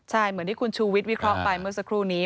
ใช่เหมือนที่คุณชูวิทวิเคราะห์ไปเมื่อสักครู่นี้